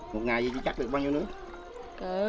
một ngày gì chỉ chắt được bao nhiêu nước